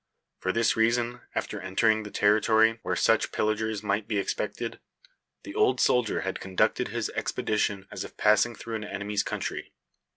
For this reason, after entering the territory where such pillagers might be expected, the old soldier had conducted his expedition as if passing through an enemy's country.